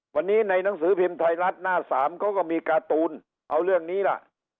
วันนี้ในหนังสือพิมพ์ไทยรัฐหน้าสามเขาก็มีการ์ตูนเอาเรื่องนี้ล่ะ